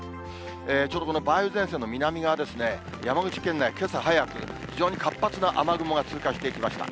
ちょうどこの梅雨前線の南側、山口県内けさ早く、非常に活発な雨雲が通過していきました。